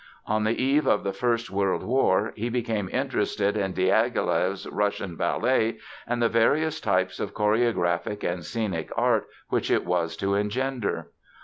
On the eve of the First World War he became interested in Diaghilew's Russian Ballet and the various types of choreographic and scenic art which it was to engender.